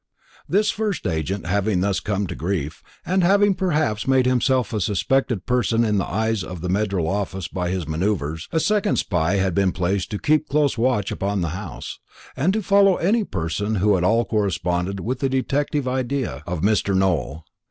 This first agent having thus come to grief, and having perhaps made himself a suspected person in the eyes of the Medler office by his manoeuvres, a second spy had been placed to keep close watch upon the house, and to follow any person who at all corresponded with the detective idea of Mr. Nowell.